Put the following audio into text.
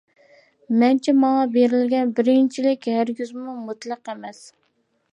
مەنچە ماڭا بېرىلگەن بىرىنچىلىك ھەرگىزمۇ مۇتلەق ئەمەس.